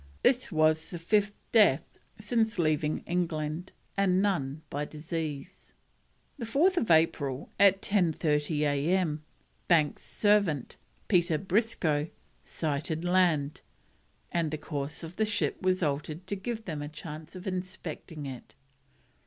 This was the fifth death since leaving England, and none by disease. The 4th April, at 10.30 A.M., Banks's servant, Peter Briscoe, sighted land, and the course of the ship was altered to give them a chance of inspecting it.